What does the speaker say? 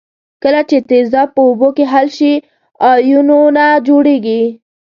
کله چې تیزاب په اوبو کې حل شي آیونونه جوړیږي.